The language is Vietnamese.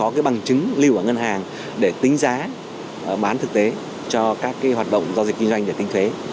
có cái bằng chứng lưu ở ngân hàng để tính giá bán thực tế cho các hoạt động giao dịch kinh doanh để tính thuế